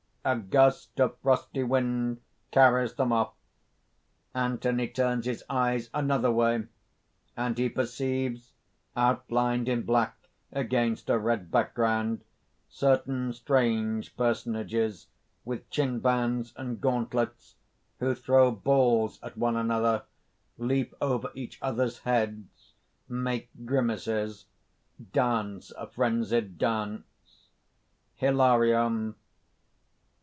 (_A gust of frosty wind carries them off. Anthony turns his eyes another way. And he perceives outlined in black against a red background certain strange personages, with chinbands and gauntlets, who throw balls at one another, leap over each other's heads, make grimaces, dance a frenzied dance._) HILARION.